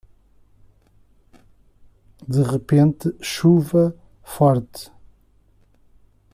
De repente chuva forte